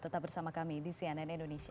tetap bersama kami di cnn indonesia